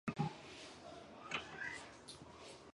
位于日喀则市桑珠孜区城西的尼色日山坡上。